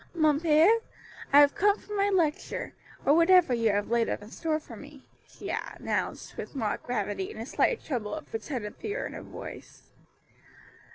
"Mon père, I have come for my lecture, or whatever you have laid up in store for me," she announced with mock gravity and a slight tremble of pretended fear in her voice.